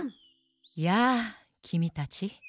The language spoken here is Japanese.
やあきみたち。